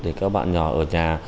để các bạn nhỏ ở nhà